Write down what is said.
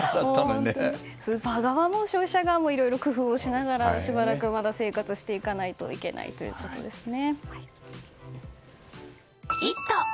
スーパー側も消費者側もいろいろ工夫しながらしばらくまだ生活していかないといけないということですね。